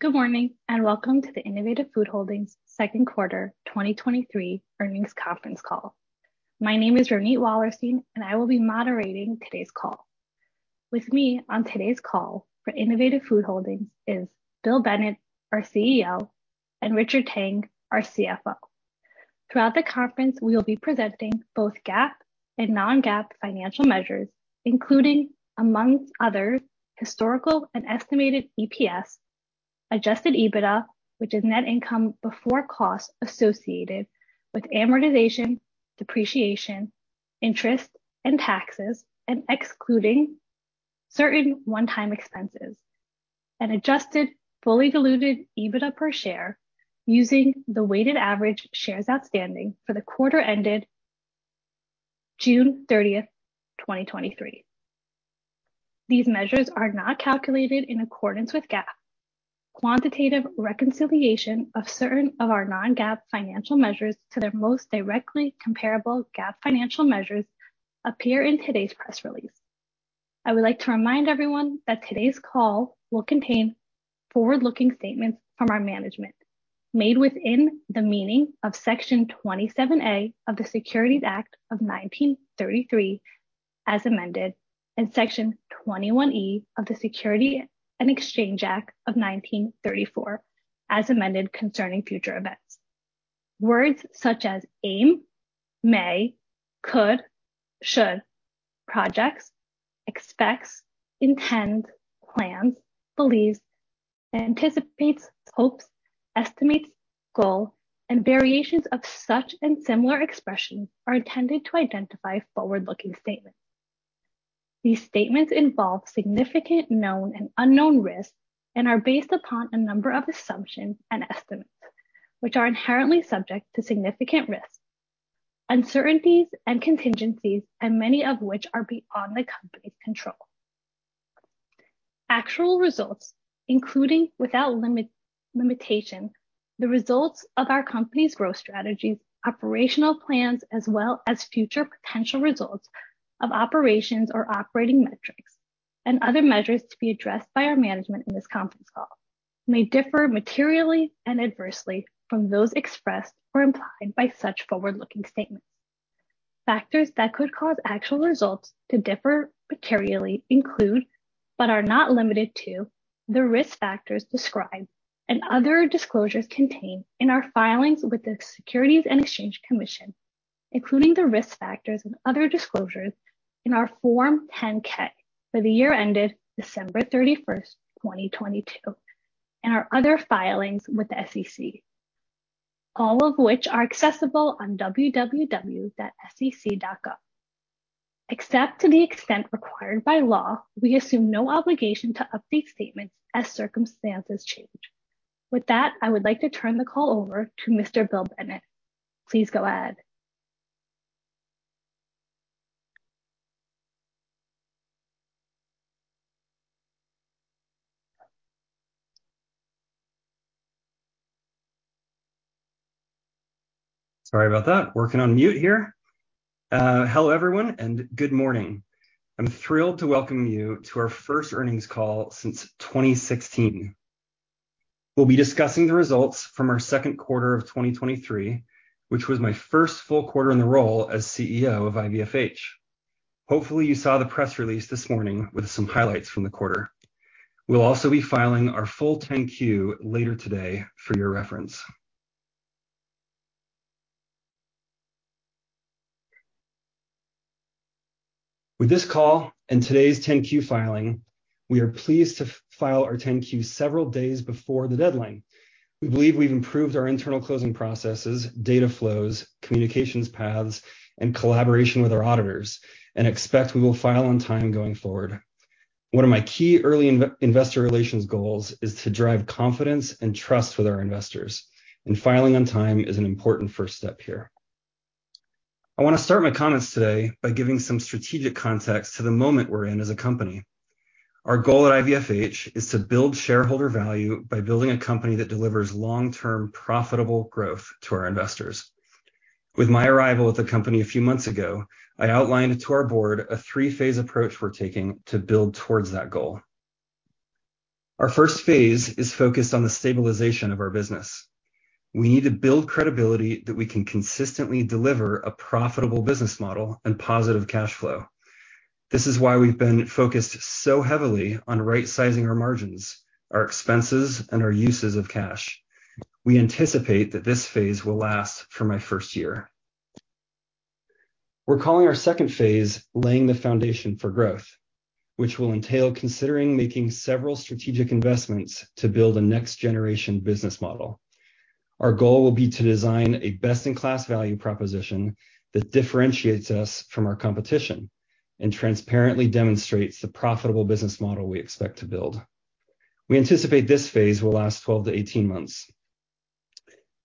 Good morning, welcome to the Innovative Food Holdings second quarter 2023 earnings conference call. My name is Ronit Wallerstein, and I will be moderating today's call. With me on today's call for Innovative Food Holdings is Bill Bennett, our CEO, and Richard Tang, our CFO. Throughout the conference, we will be presenting both GAAP and non-GAAP financial measures, including, amongst others, historical and estimated EPS, Adjusted EBITDA, which is net income before costs associated with amortization, depreciation, interest, and taxes, and excluding certain one-time expenses, and Adjusted Fully-Diluted EBITDA Per Share using the weighted average shares outstanding for the quarter ended June 30th, 2023. These measures are not calculated in accordance with GAAP. Quantitative reconciliation of certain of our non-GAAP financial measures to their most directly comparable GAAP financial measures appear in today's press release. I would like to remind everyone that today's call will contain forward-looking statements from our management, made within the meaning of Section 27A of the Securities Act of 1933, as amended, and Section 21E of the Securities Exchange Act of 1934, as amended, concerning future events. Words such as aim, may, could, should, projects, expects, intend, plans, believes, anticipates, hopes, estimates, goal, and variations of such and similar expressions are intended to identify forward-looking statements. These statements involve significant known and unknown risks and are based upon a number of assumptions and estimates, which are inherently subject to significant risks, uncertainties and contingencies, and many of which are beyond the company's control. Actual results, including without limitation, the results of our company's growth strategies, operational plans, as well as future potential results of operations or operating metrics and other measures to be addressed by our management in this conference call, may differ materially and adversely from those expressed or implied by such forward-looking statements. Factors that could cause actual results to differ materially include, but are not limited to, the risk factors described and other disclosures contained in our filings with the Securities and Exchange Commission, including the risk factors and other disclosures in our Form 10-K for the year ended December 31, 2022, and our other filings with the SEC, all of which are accessible on www.sec.gov. Except to the extent required by law, we assume no obligation to update statements as circumstances change. With that, I would like to turn the call over to Mr. Bill Bennett. Please go ahead. Sorry about that. Working on mute here. Hello, everyone, and good morning. I'm thrilled to welcome you to our first earnings call since 2016. We'll be discussing the results from our second quarter of 2023, which was my first full quarter in the role as CEO of IVFH. Hopefully, you saw the press release this morning with some highlights from the quarter. We'll also be filing our full 10-Q later today for your reference. With this call and today's 10-Q filing, we are pleased to file our 10-Q several days before the deadline. We believe we've improved our internal closing processes, data flows, communications paths, and collaboration with our auditors, and expect we will file on time going forward. One of my key early investor relations goals is to drive confidence and trust with our investors. Filing on time is an important first step here. I want to start my comments today by giving some strategic context to the moment we're in as a company. Our goal at IVFH is to build shareholder value by building a company that delivers long-term, profitable growth to our investors. With my arrival at the company a few months ago, I outlined to our board a three-phase approach we're taking to build towards that goal. Our first phase is focused on the stabilization of our business. We need to build credibility that we can consistently deliver a profitable business model and positive cash flow. This is why we've been focused so heavily on right-sizing our margins, our expenses, and our uses of cash. We anticipate that this phase will last for my first year. We're calling our second phase laying the foundation for growth, which will entail considering making several strategic investments to build a next-generation business model. Our goal will be to design a best-in-class value proposition that differentiates us from our competition and transparently demonstrates the profitable business model we expect to build. We anticipate this phase will last 12-18 months.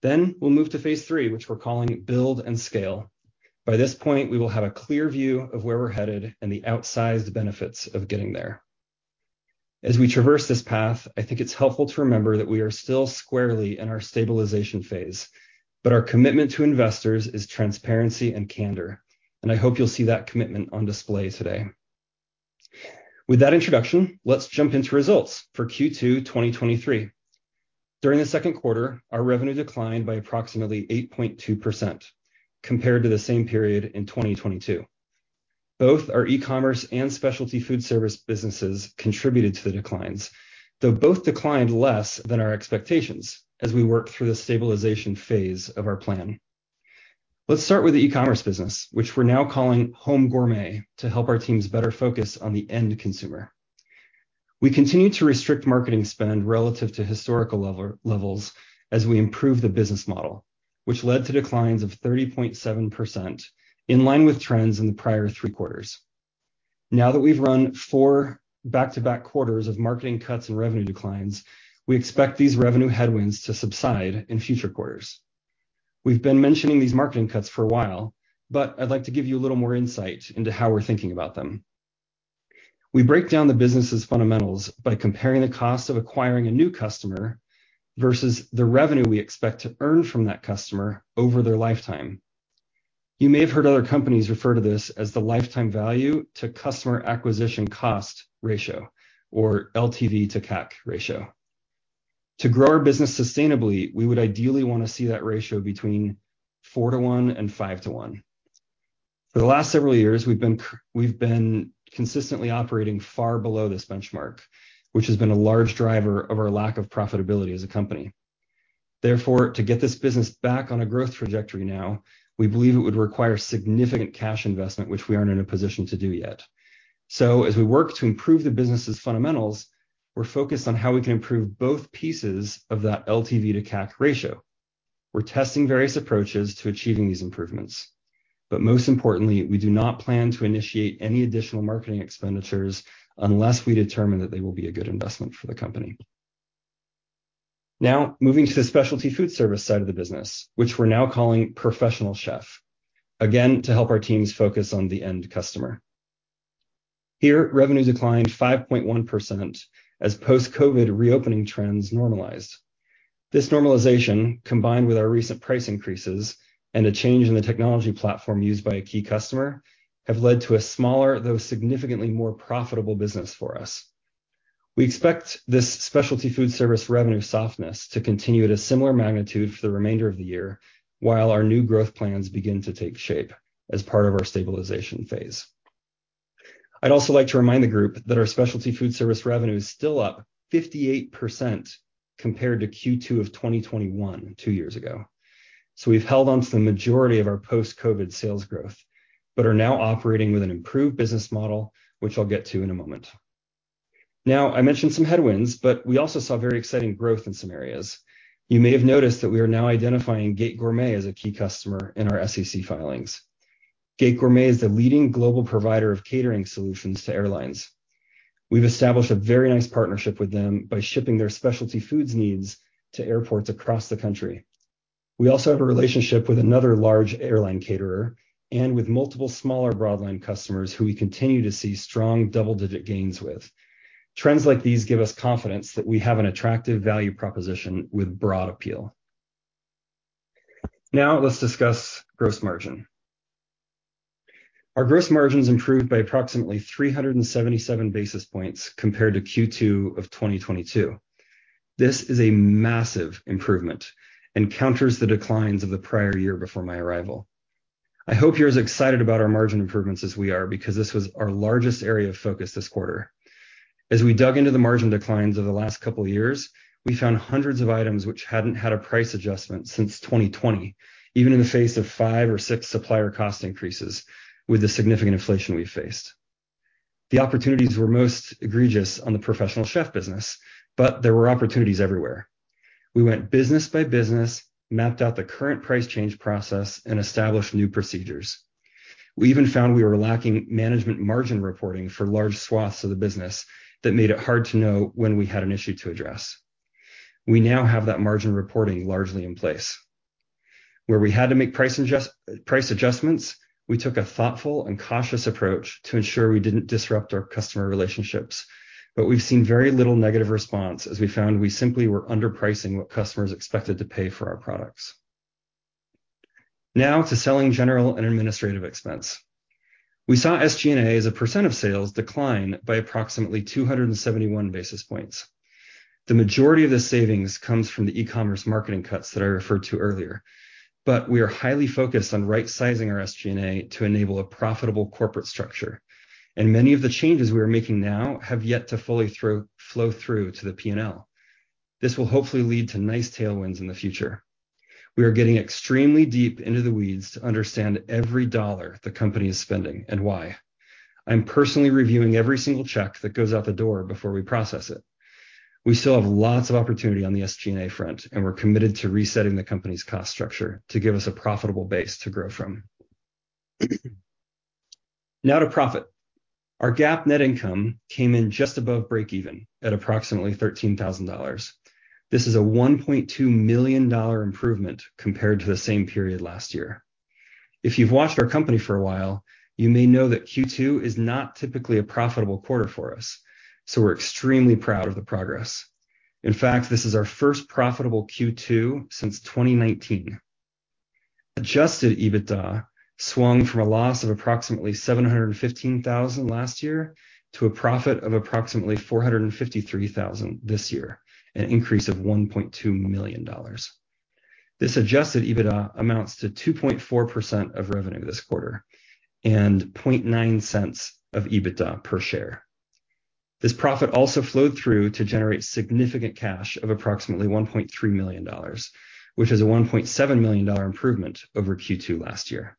We'll move to phase three, which we're calling build and scale. By this point, we will have a clear view of where we're headed and the outsized benefits of getting there. As we traverse this path, I think it's helpful to remember that we are still squarely in our stabilization phase. Our commitment to investors is transparency and candor, and I hope you'll see that commitment on display today. With that introduction, let's jump into results for Q2 2023. During the second quarter, our revenue declined by approximately 8.2% compared to the same period in 2022. Both our e-commerce and specialty food service businesses contributed to the declines, though both declined less than our expectations as we worked through the stabilization phase of our plan. Let's start with the e-commerce business, which we're now calling Home Gourmet, to help our teams better focus on the end consumer. We continue to restrict marketing spend relative to historical levels as we improve the business model, which led to declines of 30.7%, in line with trends in the prior three quarters. Now that we've run four back-to-back quarters of marketing cuts and revenue declines, we expect these revenue headwinds to subside in future quarters. We've been mentioning these marketing cuts for a while. I'd like to give you a little more insight into how we're thinking about them. We break down the business's fundamentals by comparing the cost of acquiring a new customer versus the revenue we expect to earn from that customer over their lifetime. You may have heard other companies refer to this as the lifetime value to customer acquisition cost ratio, or LTV to CAC ratio. To grow our business sustainably, we would ideally want to see that ratio between 4 to 1 and 5 to 1. For the last several years, we've been consistently operating far below this benchmark, which has been a large driver of our lack of profitability as a company. Therefore, to get this business back on a growth trajectory now, we believe it would require significant cash investment, which we aren't in a position to do yet. As we work to improve the business's fundamentals, we're focused on how we can improve both pieces of that LTV to CAC ratio. We're testing various approaches to achieving these improvements, most importantly, we do not plan to initiate any additional marketing expenditures unless we determine that they will be a good investment for the company. Moving to the specialty food service side of the business, which we're now calling Professional Chef, again, to help our teams focus on the end customer. Here, revenue declined 5.1% as post-COVID reopening trends normalized. This normalization, combined with our recent price increases and a change in the technology platform used by a key customer, have led to a smaller, though significantly more profitable business for us. We expect this specialty food service revenue softness to continue at a similar magnitude for the remainder of the year, while our new growth plans begin to take shape as part of our stabilization phase. I'd also like to remind the group that our specialty food service revenue is still up 58% compared to Q2 of 2021, two years ago. We've held on to the majority of our post-COVID sales growth, but are now operating with an improved business model, which I'll get to in a moment. I mentioned some headwinds, but we also saw very exciting growth in some areas. You may have noticed that we are now identifying Gate Gourmet as a key customer in our SEC filings. Gate Gourmet is the leading global provider of catering solutions to airlines. We've established a very nice partnership with them by shipping their specialty foods needs to airports across the country. We also have a relationship with another large airline caterer and with multiple smaller broadline customers who we continue to see strong double-digit gains with. Trends like these give us confidence that we have an attractive value proposition with broad appeal. Let's discuss gross margin. Our gross margins improved by approximately 377 basis points compared to Q2 of 2022. This is a massive improvement and counters the declines of the prior year before my arrival. I hope you're as excited about our margin improvements as we are, this was our largest area of focus this quarter. As we dug into the margin declines over the last couple of years, we found hundreds of items which hadn't had a price adjustment since 2020, even in the face of 5 or 6 supplier cost increases with the significant inflation we faced. The opportunities were most egregious on the Professional Chef business, there were opportunities everywhere. We went business by business, mapped out the current price change process, established new procedures. We even found we were lacking management margin reporting for large swaths of the business that made it hard to know when we had an issue to address. We now have that margin reporting largely in place. Where we had to make price adjustments, we took a thoughtful and cautious approach to ensure we didn't disrupt our customer relationships. We've seen very little negative response, as we found we simply were underpricing what customers expected to pay for our products. Now to selling, general, and administrative expense. We saw SG&A as a % of sales decline by approximately 271 basis points. The majority of the savings comes from the e-commerce marketing cuts that I referred to earlier. We are highly focused on right-sizing our SG&A to enable a profitable corporate structure, and many of the changes we are making now have yet to fully flow through to the P&L. This will hopefully lead to nice tailwinds in the future. We are getting extremely deep into the weeds to understand every dollar the company is spending and why. I'm personally reviewing every single check that goes out the door before we process it. We still have lots of opportunity on the SG&A front, and we're committed to resetting the company's cost structure to give us a profitable base to grow from. Now to profit. Our GAAP net income came in just above break even at approximately $13,000. This is a $1.2 million improvement compared to the same period last year. If you've watched our company for a while, you may know that Q2 is not typically a profitable quarter for us, so we're extremely proud of the progress. In fact, this is our first profitable Q2 since 2019. Adjusted EBITDA swung from a loss of approximately $715,000 last year to a profit of approximately $453,000 this year, an increase of $1.2 million. This Adjusted EBITDA amounts to 2.4% of revenue this quarter, and $0.009 of EBITDA per share. This profit also flowed through to generate significant cash of approximately $1.3 million, which is a $1.7 million improvement over Q2 last year.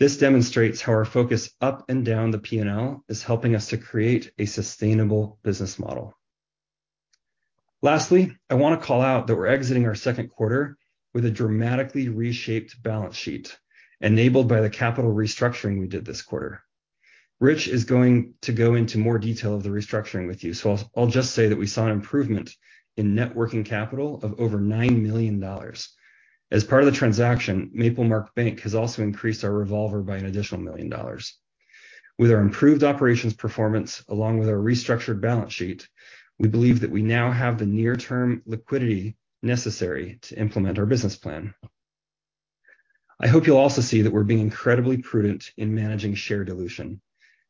This demonstrates how our focus up and down the P&L is helping us to create a sustainable business model. I want to call out that we're exiting our second quarter with a dramatically reshaped balance sheet, enabled by the capital restructuring we did this quarter. Rich is going to go into more detail of the restructuring with you, so I'll just say that we saw an improvement in net working capital of over $9 million. As part of the transaction, MapleMark Bank has also increased our revolver by an additional $1 million. With our improved operations performance, along with our restructured balance sheet, we believe that we now have the near-term liquidity necessary to implement our business plan. I hope you'll also see that we're being incredibly prudent in managing share dilution.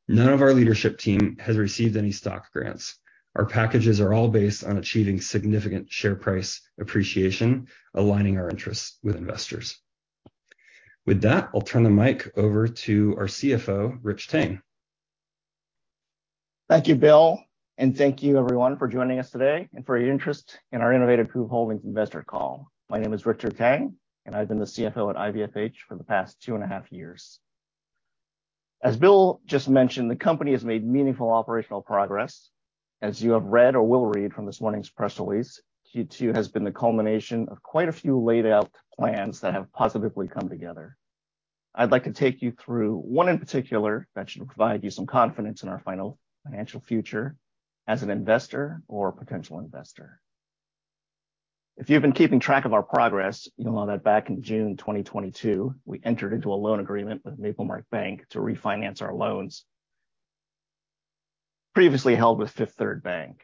None of our leadership team has received any stock grants. Our packages are all based on achieving significant share price appreciation, aligning our interests with investors. With that, I'll turn the mic over to our CFO, Rich Tang. Thank you, Bill. Thank you everyone for joining us today and for your interest in our Innovative Food Holdings investor call. My name is Richard Tang, I've been the CFO at IVFH for the past 2.5 years. As Bill just mentioned, the company has made meaningful operational progress. As you have read or will read from this morning's press release, Q2 has been the culmination of quite a few laid-out plans that have positively come together. I'd like to take you through one in particular that should provide you some confidence in our final financial future as an investor or potential investor. If you've been keeping track of our progress, you'll know that back in June 2022, we entered into a loan agreement with MapleMark Bank to refinance our loans previously held with Fifth Third Bank.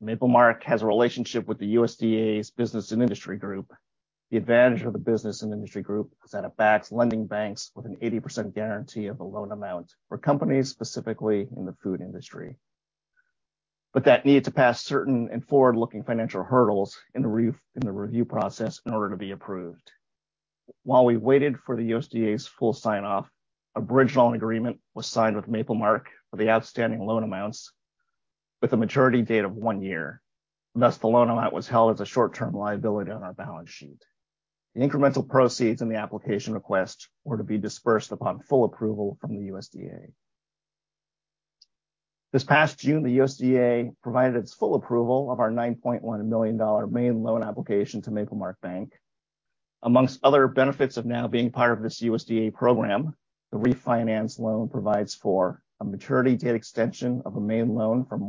MapleMark has a relationship with the USDA's Business and Industry Group. The advantage of the Business and Industry Group is that it backs lending banks with an 80% guarantee of the loan amount for companies specifically in the food industry. That needed to pass certain forward-looking financial hurdles in the review process in order to be approved. While we waited for the USDA's full sign-off, a bridge loan agreement was signed with MapleMark for the outstanding loan amounts with a maturity date of 1 year. Thus, the loan amount was held as a short-term liability on our balance sheet. The incremental proceeds in the application request were to be dispersed upon full approval from the USDA. This past June, the USDA provided its full approval of our $9.1 million main loan application to MapleMark Bank. Amongst other benefits of now being part of this USDA program, the refinance loan provides for a maturity date extension of a main loan from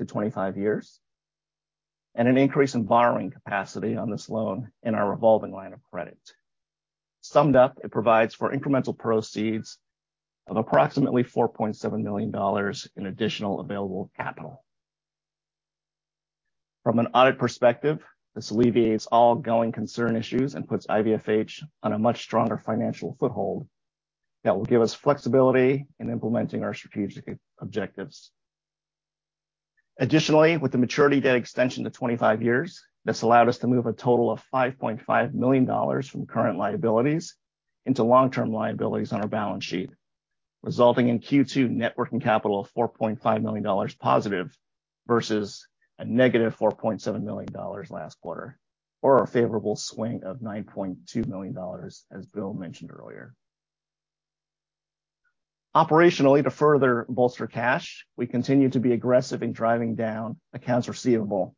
1-25 years, and an increase in borrowing capacity on this loan in our revolving line of credit. Summed up, it provides for incremental proceeds of approximately $4.7 million in additional available capital. From an audit perspective, this alleviates all going concern issues and puts IVFH on a much stronger financial foothold that will give us flexibility in implementing our strategic objectives. With the maturity date extension to 25 years, this allowed us to move a total of $5.5 million from current liabilities into long-term liabilities on our balance sheet, resulting in Q2 net working capital of $4.5 million positive versus a negative $4.7 million last quarter, or a favorable swing of $9.2 million, as Bill mentioned earlier. Operationally, to further bolster cash, we continue to be aggressive in driving down accounts receivable.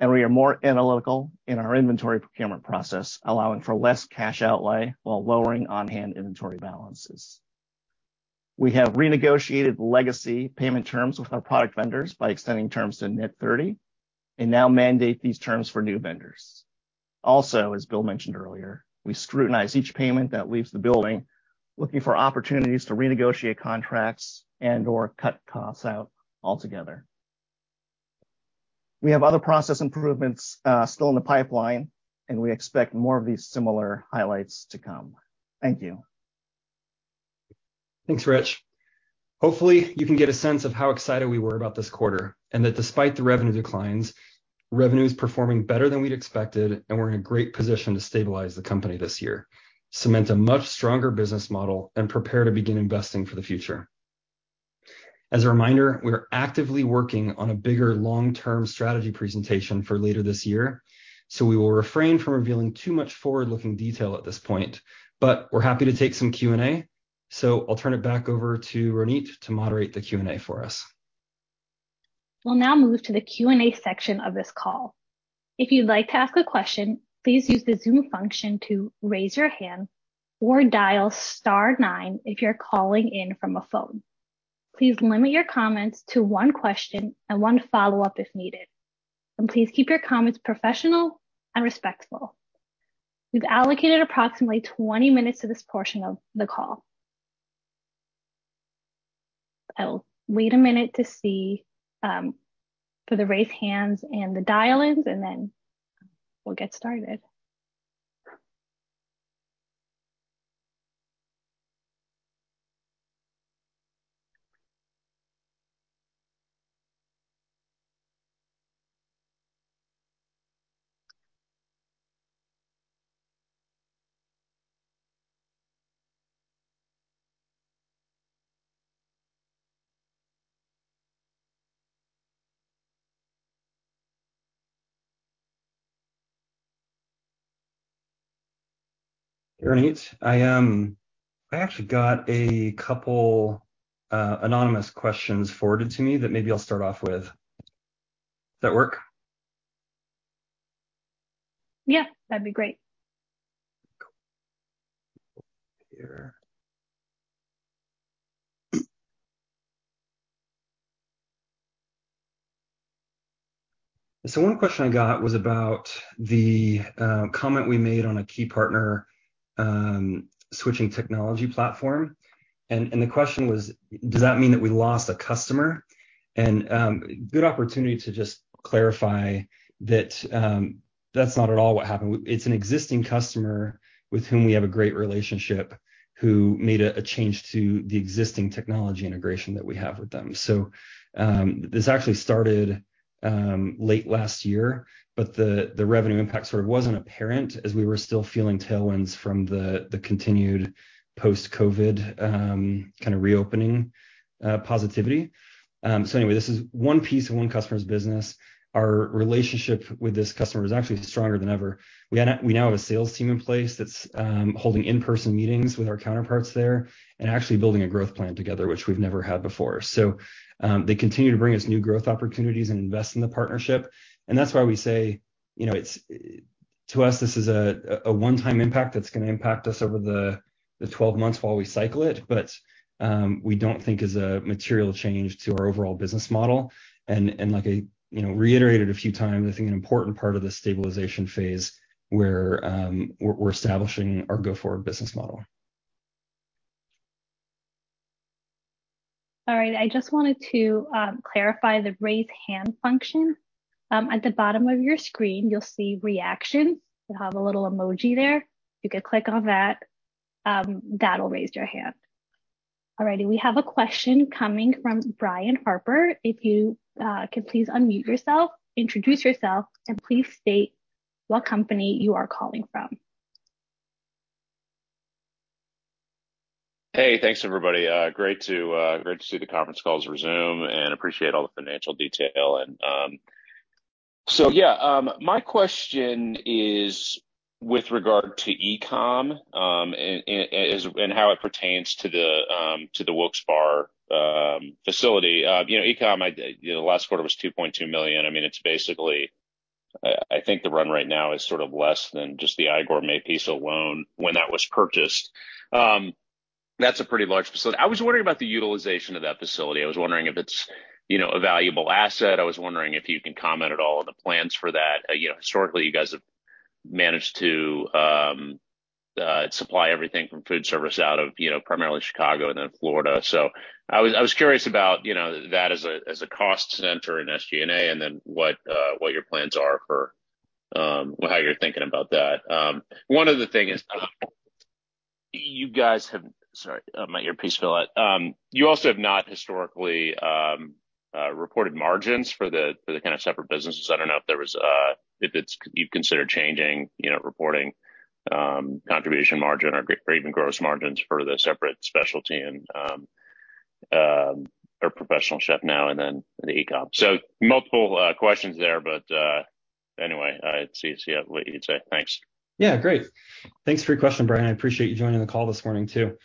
We are more analytical in our inventory procurement process, allowing for less cash outlay while lowering on-hand inventory balances. We have renegotiated legacy payment terms with our product vendors by extending terms to net 30, and now mandate these terms for new vendors. Also, as Bill mentioned earlier, we scrutinize each payment that leaves the building, looking for opportunities to renegotiate contracts and/or cut costs out altogether. We have other process improvements still in the pipeline, and we expect more of these similar highlights to come. Thank you. Thanks, Rich. Hopefully, you can get a sense of how excited we were about this quarter, and that despite the revenue declines, revenue is performing better than we'd expected, and we're in a great position to stabilize the company this year, cement a much stronger business model, and prepare to begin investing for the future. As a reminder, we are actively working on a bigger long-term strategy presentation for later this year, so we will refrain from revealing too much forward-looking detail at this point. We're happy to take some Q&A, so I'll turn it back over to Ronit to moderate the Q&A for us. We'll now move to the Q&A section of this call. If you'd like to ask a question, please use the Zoom function to raise your hand or dial star 9 if you're calling in from a phone. Please limit your comments to one question and one follow-up if needed, and please keep your comments professional and respectful. We've allocated approximately 20 minutes to this portion of the call. I'll wait one minute to see for the raised hands and the dial-ins, and then we'll get started. Hey, Ronit. I actually got a couple anonymous questions forwarded to me that maybe I'll start off with. Does that work? Yeah, that'd be great. Cool. Here. One question I got was about the comment we made on a key partner switching technology platform. The question was: does that mean that we lost a customer? Good opportunity to just clarify that that's not at all what happened. It's an existing customer with whom we have a great relationship, who made a change to the existing technology integration that we have with them. This actually started late last year, but the revenue impact sort of wasn't apparent as we were still feeling tailwinds from the continued post-COVID kind of reopening positivity. Anyway, this is one piece of one customer's business. Our relationship with this customer is actually stronger than ever. We now, we now have a sales team in place that's holding in-person meetings with our counterparts there and actually building a growth plan together, which we've never had before. They continue to bring us new growth opportunities and invest in the partnership, and that's why we say, you know, it's to us, this is a 1-time impact that's gonna impact us over the 12 months while we cycle it, but we don't think is a material change to our overall business model. And like I, you know, reiterated a few times, I think an important part of this stabilization phase where we're establishing our go-forward business model. All right, I just wanted to clarify the raise hand function. At the bottom of your screen, you'll see reactions. You'll have a little emoji there. You can click on that, that'll raise your hand. All right, we have a question coming from Brian Harper. If you can please unmute yourself, introduce yourself, and please state what company you are calling from. Hey, thanks, everybody. Great to great to see the conference calls resume and appreciate all the financial detail and... Yeah, my question is with regard to e-com, and, and, and, and how it pertains to the to the Wilkes-Barre facility. You know, e-com, I, you know, the last quarter was $2.2 million. I mean, it's basically, I think the run right now is sort of less than just the iGourmet piece alone when that was purchased. That's a pretty large facility. I was wondering about the utilization of that facility. I was wondering if it's, you know, a valuable asset. I was wondering if you can comment at all on the plans for that. You know, historically, you guys have managed to supply everything from food service out of, you know, primarily Chicago and then Florida. I was, I was curious about, you know, that as a, as a cost center in SG&A, and then what your plans are for... Well, how you're thinking about that. One other thing is, you guys have... Sorry, my ear piece fell out. You also have not historically reported margins for the, for the kind of separate businesses. I don't know if there was, if it's- you consider changing, you know, reporting contribution margin or even gross margins for the separate specialty and Professional Chef now and then the e-com. Multiple questions there, but anyway, I'd see, see what you'd say. Thanks. Yeah, great. Thanks for your question, Brian. I appreciate you joining the call this morning, too.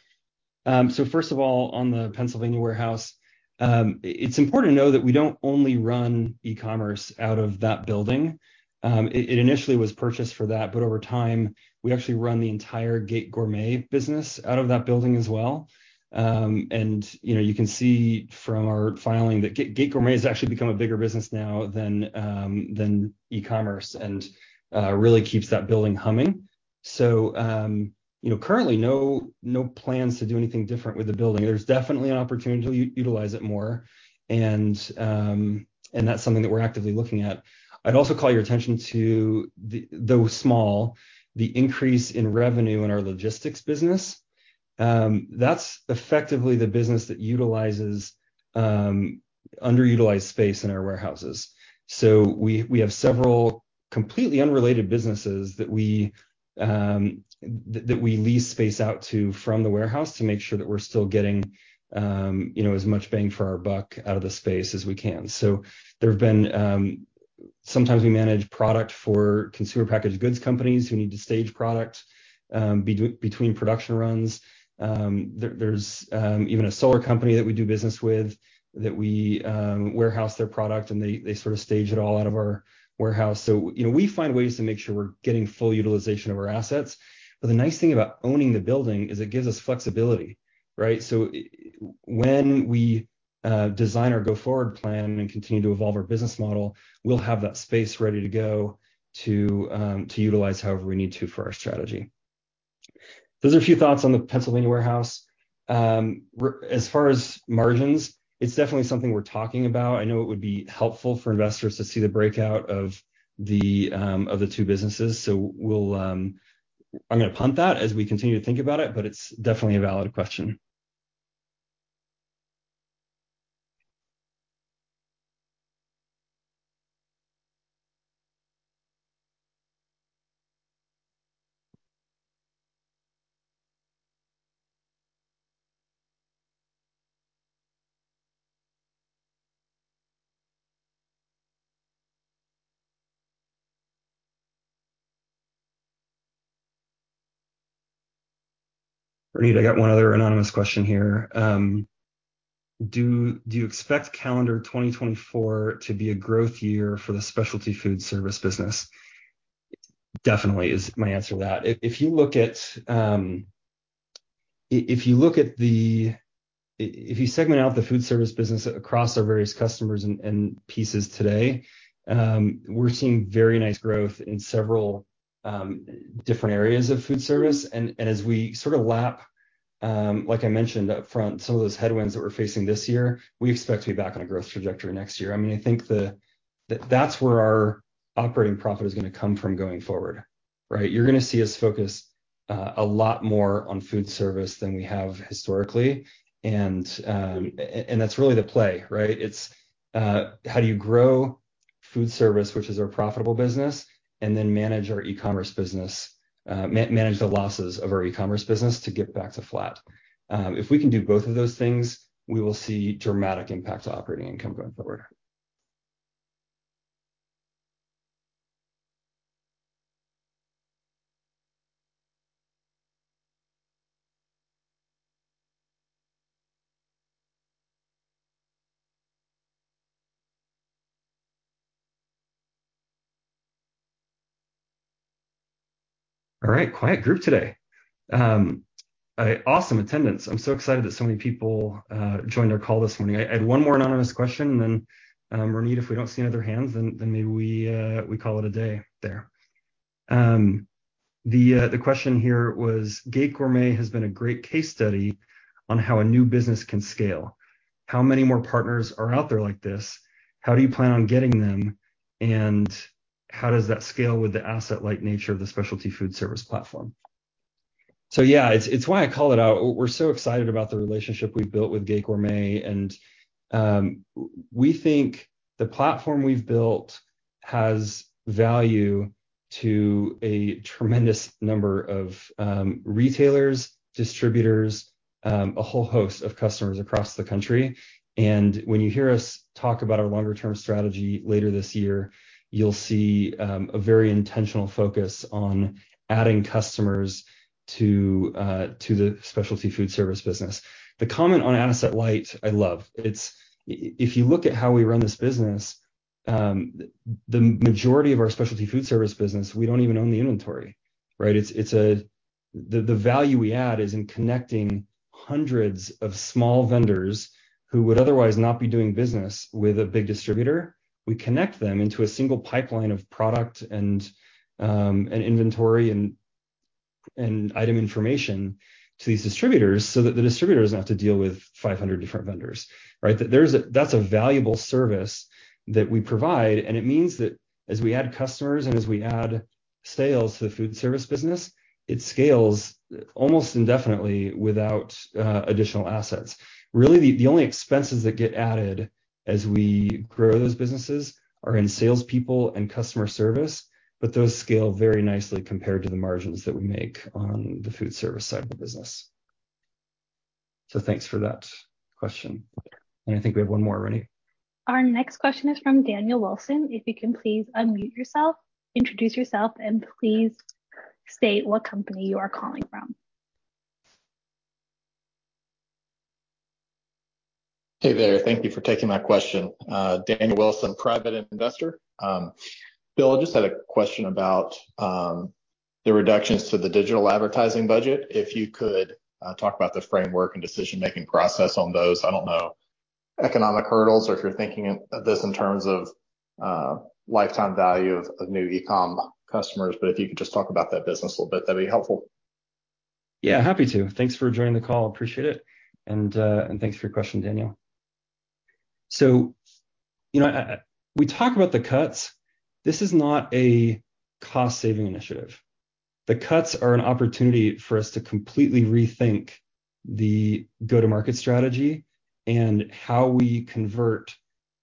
First of all, on the Pennsylvania warehouse, it's important to know that we don't only run e-commerce out of that building. It, it initially was purchased for that, over time, we actually run the entire Gate Gourmet business out of that building as well. You know, you can see from our filing that Gate Gourmet has actually become a bigger business now than e-commerce, really keeps that building humming. You know, currently no, no plans to do anything different with the building. There's definitely an opportunity to utilize it more, that's something that we're actively looking at. I'd also call your attention to the, though small, the increase in revenue in our logistics business. That's effectively the business that utilizes underutilized space in our warehouses. We, we have several completely unrelated businesses that we, that, that we lease space out to from the warehouse to make sure that we're still getting, you know, as much bang for our buck out of the space as we can. There have been, sometimes we manage product for consumer packaged goods companies who need to stage product, between production runs. There, there's even a solar company that we do business with that we warehouse their product, and they, they sort of stage it all out of our warehouse. You know, we find ways to make sure we're getting full utilization of our assets. The nice thing about owning the building is it gives us flexibility, right? When we design our go-forward plan and continue to evolve our business model, we'll have that space ready to go to utilize however we need to for our strategy. Those are a few thoughts on the Pennsylvania warehouse. As far as margins, it's definitely something we're talking about. I know it would be helpful for investors to see the breakout of the two businesses. We'll, I'm gonna punt that as we continue to think about it, but it's definitely a valid question. Ronit, I got one other anonymous question here. "Do, do you expect calendar 2024 to be a growth year for the specialty food service business?" Definitely is my answer to that. If, if you look at... If you look at the if you segment out the food service business across our various customers and pieces today, we're seeing very nice growth in several different areas of food service. As we sort of lap, like I mentioned upfront, some of those headwinds that we're facing this year, we expect to be back on a growth trajectory next year. I mean, I think that's where our operating profit is gonna come from going forward, right? You're gonna see us focus a lot more on food service than we have historically, and that's really the play, right? It's how do you grow food service, which is our profitable business, and then manage our e-commerce business, manage the losses of our e-commerce business to get back to flat. If we can do both of those things, we will see dramatic impact to operating income going forward. All right. Quiet group today. A awesome attendance. I'm so excited that so many people joined our call this morning. I, I have one more anonymous question, and then, Ronit, if we don't see any other hands, then, then maybe we call it a day there. The question here was, "Gate Gourmet has been a great case study on how a new business can scale. How many more partners are out there like this? How do you plan on getting them? And how does that scale with the asset-light nature of the specialty food service platform?" Yeah, it's, it's why I called it out. We're so excited about the relationship we've built with Gate Gourmet, and we think the platform we've built has value to a tremendous number of retailers, distributors, a whole host of customers across the country. When you hear us talk about our longer-term strategy later this year, you'll see a very intentional focus on adding customers to the specialty food service business. The comment on asset light, I love. If you look at how we run this business, the majority of our specialty food service business, we don't even own the inventory, right? The value we add is in connecting hundreds of small vendors who would otherwise not be doing business with a big distributor. We connect them into a single pipeline of product and inventory and item information to these distributors, so that the distributor doesn't have to deal with 500 different vendors, right? That's a valuable service that we provide, and it means that as we add customers and as we add sales to the food service business, it scales almost indefinitely without additional assets. Really, the only expenses that get added as we grow those businesses are in salespeople and customer service, but those scale very nicely compared to the margins that we make on the food service side of the business. Thanks for that question. I think we have one more, Ronit. Our next question is from Daniel Wilson. If you can please unmute yourself, introduce yourself, and please state what company you are calling from. Hey there. Thank you for taking my question. Daniel Wilson, private investor. Bill, I just had a question about the reductions to the digital advertising budget. If you could talk about the framework and decision-making process on those, I don't know, economic hurdles, or if you're thinking of this in terms of lifetime value of new e-com customers. If you could just talk about that business a little bit, that'd be helpful. Yeah, happy to. Thanks for joining the call. Appreciate it, and thanks for your question, Daniel. You know, we talk about the cuts. This is not a cost-saving initiative. The cuts are an opportunity for us to completely rethink the go-to-market strategy and how we convert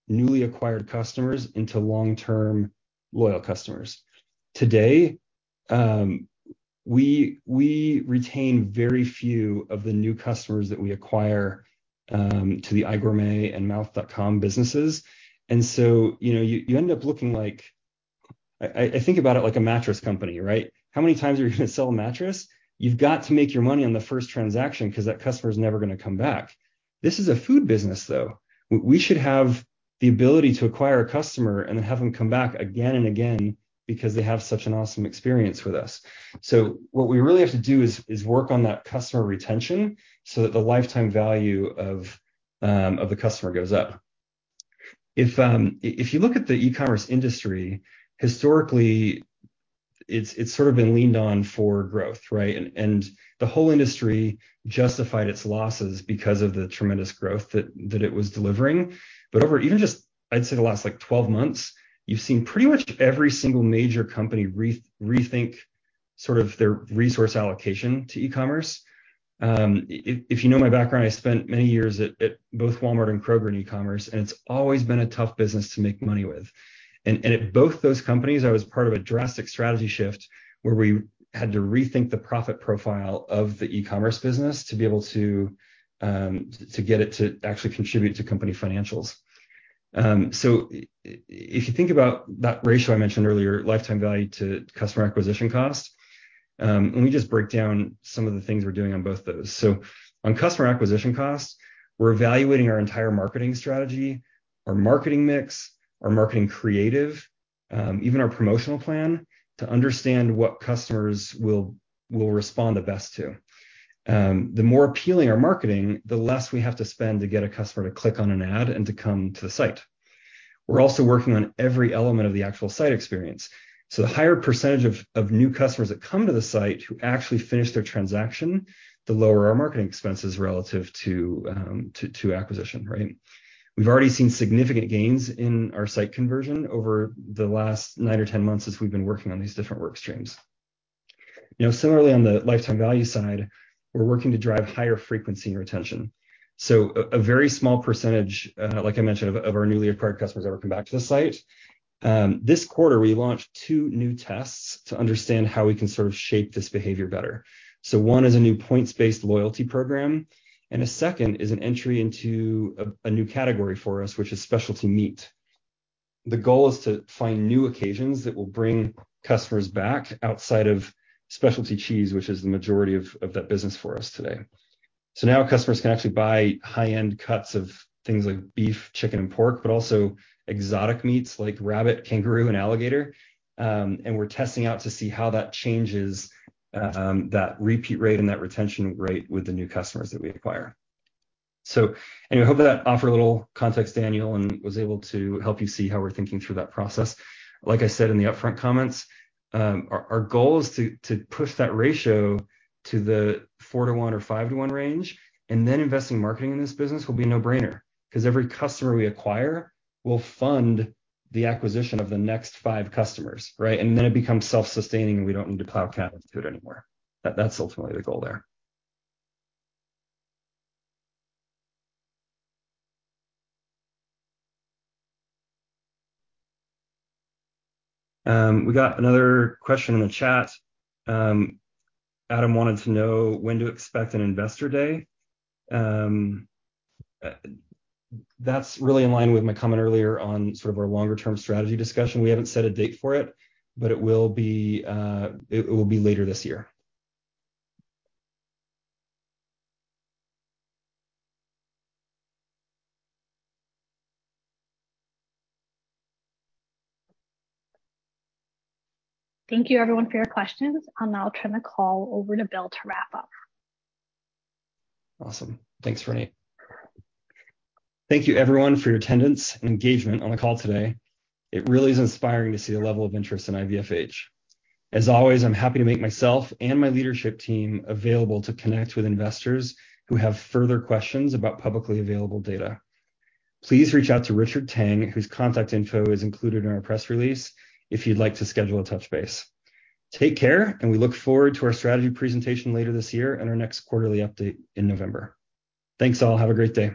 newly acquired customers into long-term, loyal customers. Today, we, we retain very few of the new customers that we acquire to the iGourmet and Mouth.com businesses. You know, you, you end up looking like... I, I, I think about it like a mattress company, right? How many times are you gonna sell a mattress? You've got to make your money on the first transaction because that customer is never gonna come back. This is a food business, though. We should have the ability to acquire a customer and then have them come back again and again because they have such an awesome experience with us. What we really have to do is, is work on that customer retention so that the lifetime value of the customer goes up. If you look at the e-commerce industry, historically, it's, it's sort of been leaned on for growth, right? The whole industry justified its losses because of the tremendous growth that, that it was delivering. Over even just, I'd say the last, like, 12 months, you've seen pretty much every single major company rethink sort of their resource allocation to e-commerce. If you know my background, I spent many years at, at both Walmart and Kroger in e-commerce, it's always been a tough business to make money with. At both those companies, I was part of a drastic strategy shift where we had to rethink the profit profile of the e-commerce business to be able to get it to actually contribute to company financials. If you think about that ratio I mentioned earlier, lifetime value to customer acquisition cost, let me just break down some of the things we're doing on both those. On customer acquisition cost, we're evaluating our entire marketing strategy, our marketing mix, our marketing creative, even our promotional plan, to understand what customers will, will respond the best to. The more appealing our marketing, the less we have to spend to get a customer to click on an ad and to come to the site. We're also working on every element of the actual site experience, the higher % of, of new customers that come to the site who actually finish their transaction, the lower our marketing expenses relative to, to acquisition, right? We've already seen significant gains in our site conversion over the last nine or 10 months since we've been working on these different work streams. You know, similarly, on the lifetime value side, we're working to drive higher frequency and retention. A, a very small %, like I mentioned, of, of our newly acquired customers ever come back to the site. This quarter, we launched two new tests to understand how we can sort of shape this behavior better. One is a new points-based loyalty program, and a second is an entry into a, a new category for us, which is specialty meat. The goal is to find new occasions that will bring customers back outside of specialty cheese, which is the majority of, of that business for us today. Now customers can actually buy high-end cuts of things like beef, chicken, and pork, but also exotic meats like rabbit, kangaroo, and alligator. And we're testing out to see how that changes, that repeat rate and that retention rate with the new customers that we acquire. Anyway, I hope that offered a little context, Daniel, and was able to help you see how we're thinking through that process. Like I said in the upfront comments, our goal is to push that ratio to the 4 to 1 or 5 to 1 range, then investing marketing in this business will be a no-brainer. 'Cause every customer we acquire will fund the acquisition of the next 5 customers, right? Then it becomes self-sustaining, and we don't need to plow capital to it anymore. That's ultimately the goal there. We got another question in the chat. Adam wanted to know when to expect an investor day. That's really in line with my comment earlier on sort of our longer-term strategy discussion. We haven't set a date for it, but it will be later this year. Thank you, everyone, for your questions. I'll now turn the call over to Bill to wrap up. Awesome. Thanks, Ronit. Thank you, everyone, for your attendance and engagement on the call today. It really is inspiring to see the level of interest in IVFH. As always, I'm happy to make myself and my leadership team available to connect with investors who have further questions about publicly available data. Please reach out to Richard Tang, whose contact info is included in our press release if you'd like to schedule a touch base. Take care. We look forward to our strategy presentation later this year and our next quarterly update in November. Thanks, all. Have a great day.